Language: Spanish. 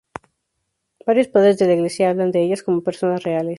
Varios Padres de la Iglesia hablan de ellas como personas reales.